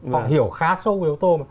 họ hiểu khá sâu về yếu tố mà